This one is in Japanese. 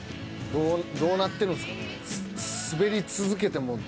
どうなってるんすかね。